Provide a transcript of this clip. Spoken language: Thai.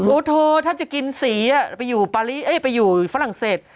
โอ้โธถ้าจะกินสีไปอยู่ฝรั่งเศส